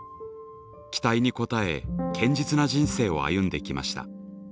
期待に応え「堅実な人生」を歩んできました。